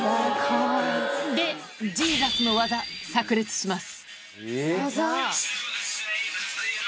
で、ジーザスの技、さく裂します。